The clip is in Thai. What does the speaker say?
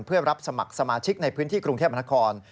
เพื่อรับสมัครสมาชิกในพื้นที่กรุงเทพมนาคม